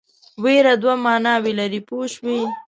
وېره دوه معناوې لري پوه شوې!.